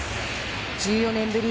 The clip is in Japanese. １４年ぶり